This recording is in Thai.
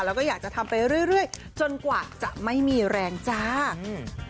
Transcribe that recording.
แล้วก็อยากจะทำไปเรื่อยเรื่อยจนกว่าจะไม่มีแรงจ้าอืม